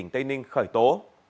tỉnh tây ninh khởi tố